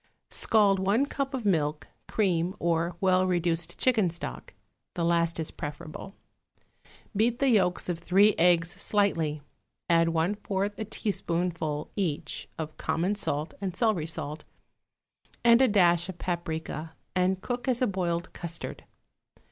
= Scald one cup of milk, cream or well reduced chicken stock (the last is preferable); beat the yolks of three eggs slightly, add one fourth a teaspoonful, each, of common salt and celery salt, and a dash of paprica, and cook as a boiled custard.